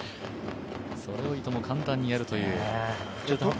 それをいとも簡単にやるという。